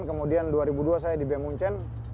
kemudian dua ribu dua saya di bem munchen